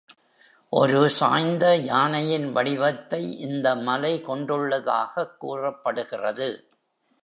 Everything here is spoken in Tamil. ஒரு சாய்ந்த யானையின் வடிவத்தை இந்த மலை கொண்டுள்ளதாகக் கூறப்படுகிறது.